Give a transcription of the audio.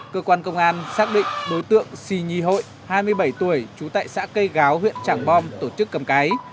cơ quan công an xác định đối tượng sì nhi hội hai mươi bảy tuổi trú tại xã cây gáo huyện trảng bom tổ chức cầm cái